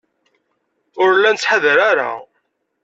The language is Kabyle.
Ur la nettḥadar ara.